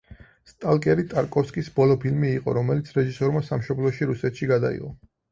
სტალკერი ტარკოვსკის ბოლო ფილმი იყო, რომელიც რეჟისორმა სამშობლოში, რუსეთში გადაიღო.